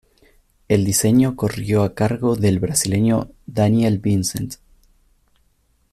El diseño corrió a cargo del brasileño Daniel Vincent.